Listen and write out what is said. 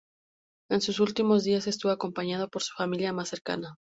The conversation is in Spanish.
En sus últimos días estuvo acompañado por su familia más cercana.